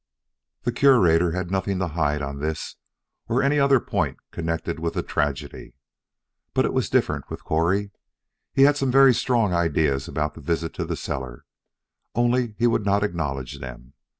"The Curator had nothing to hide on this or any other point connected with the tragedy. But it was different with Correy. He had some very strong ideas about that visit to the cellar only he would not acknowledge them.